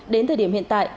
đến thời điểm hiện tại